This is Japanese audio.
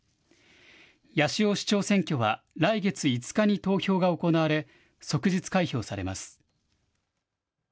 八潮市長選挙は来月５日に投票が行われ即日開票されます。